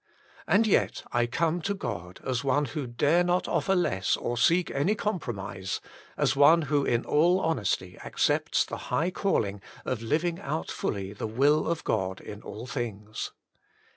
And yet I come to God as one who dare not offer less or seek any compromise, as one who in all honesty accepts the high calling of living out fully the will of God in all things.